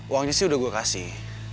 uangnya sih udah gue kasih